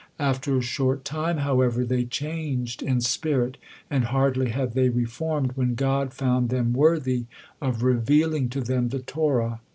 After a short time, however, they changed in spirit; and hardly had they reformed, when God found them worthy of revealing to them the Torah.